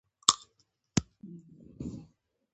هغه داسې کتابونه وليکل چې لوستونکي يې لوړ کړل.